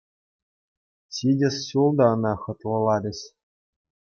Ҫитес ҫул та ӑна хӑтлӑлатӗҫ.